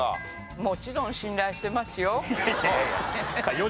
もちろん信頼してますよ。